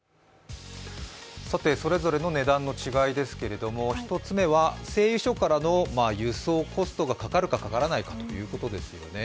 それぞれの値段の違いですけれども、１つ目は製油所からの輸送コストがかかるかかからないかということですよね。